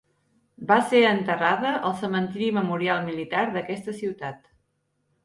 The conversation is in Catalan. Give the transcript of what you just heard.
Va ser enterrada al Cementiri Memorial Militar d'aquesta ciutat.